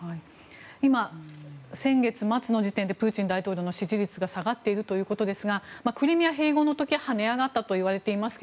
今、先月末の時点でプーチン大統領の支持率が下がっているということですがクリミア併合の時は跳ね上がったといわれています。